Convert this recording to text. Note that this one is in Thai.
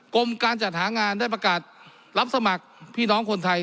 กรมการจัดหางานได้ประกาศรับสมัครพี่น้องคนไทย